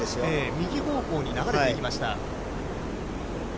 右方向に流れていきました。